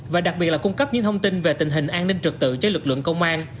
và đặc biệt là cung cấp những thông tin về tình hình an ninh trực tự cho lực lượng công an